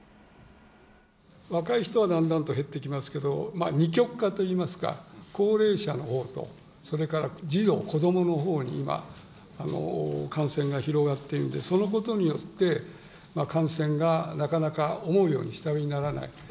若い人はだんだんと減ってきますけど、二極化といいますか、高齢者のほうと、それから児童、子どものほうに今、感染が広がっているので、そのことによって感染がなかなか思うように下火にならない。